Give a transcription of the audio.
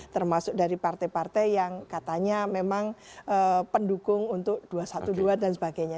termasuk dari partai partai yang katanya memang pendukung untuk dua ratus dua belas dan sebagainya